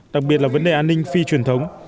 đặc biệt là vấn đề an ninh phi truyền thống